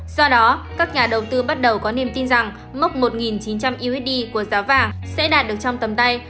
do đó các nhà đầu tư bắt đầu có niềm tin rằng mốc một chín trăm linh usd của giá vàng sẽ đạt được trong tầm tay